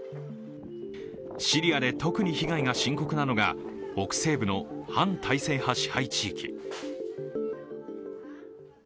シリアで特に被害が深刻なのが北西部の反体制派支配地域。